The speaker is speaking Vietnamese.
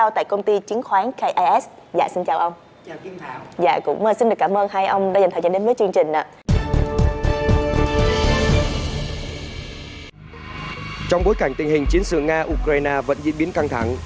tình hình chiến sự nga ukraine vẫn diễn biến căng thẳng